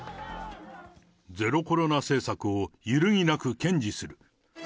ゼロコロナ政策を揺るぎなく堅持する。